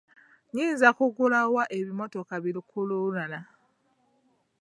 Nnyinza kugula wa ebimmotoka bi lukululana?